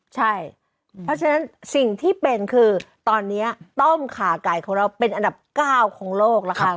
ใช่เพราะฉะนั้นสิ่งที่เป็นคือตอนนี้ต้มขาไก่ของเราเป็นอันดับ๙ของโลกแล้วค่ะ